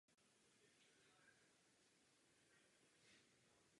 Po druhé světové válce byl člen Italské socialistické strany.